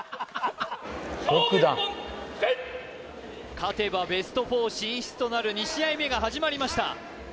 勝てばベスト４進出となる２試合目が始まりました